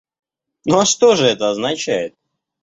Ну а что же это означает?